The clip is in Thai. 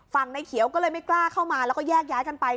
ในเขียวก็เลยไม่กล้าเข้ามาแล้วก็แยกย้ายกันไป